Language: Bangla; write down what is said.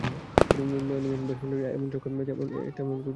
নয়ে নেমে কোনো ব্যাটসম্যানের এমন ছক্কায় তখন এমন কিছু মনে হয়নি।